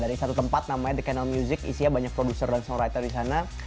dari satu tempat namanya the kennel music isinya banyak producer dan songwriter di sana